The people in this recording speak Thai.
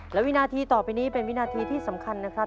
และวินาทีต่อไปนี้เป็นวินาทีที่สำคัญนะครับ